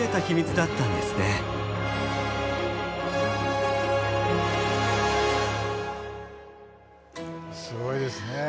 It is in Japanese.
すごいですね。